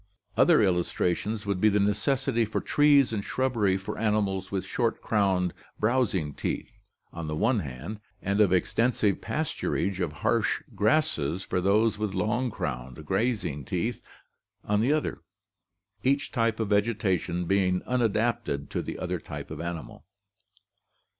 Other illustrations would be the neces sity for trees and shrubbery for animals with short crowned brows ing teeth, on the one hand, and of extensive pasturage of harsh grasses for those with long crowned grazing teeth, on the other, each type of vegetation being unadapted to the other typeof animal.